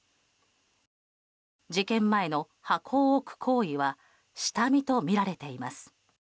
事件前の箱を置く行為は下見とみられています。